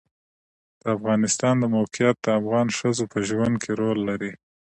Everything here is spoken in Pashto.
د افغانستان د موقعیت د افغان ښځو په ژوند کې رول لري.